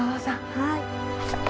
はい。